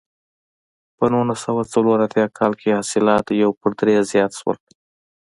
په نولس سوه څلور اتیا کال کې حاصلات یو پر درې زیات شول.